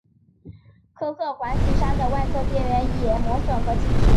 科赫环形山的外侧边缘已磨损和侵蚀。